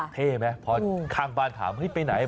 เท่ไหมเพราะขางบ้านถามเราไปไหน